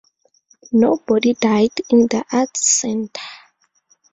Nobody died in the Arts Centre.